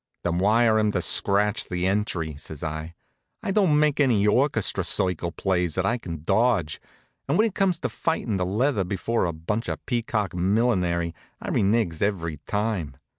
"Then wire 'em to scratch the entry," says I. "I don't make any orchestra circle plays that I can dodge, and when it comes to fightin' the leather before a bunch of peacock millinery I renigs every time.